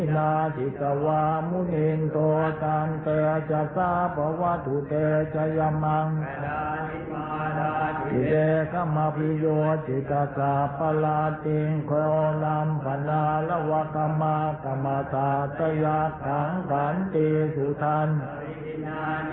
ลักษณะประหลาดติงของลำพนาและวักษณะกรรมศาสตร์ตะยักษ์ทั้งฝันติสุทธัณฐ์